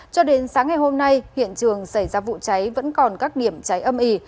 cho đến sáng ngày hôm nay hiện trường xảy ra vụ cháy vẫn còn các điểm cháy âm ỉ